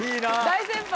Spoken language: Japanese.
大先輩。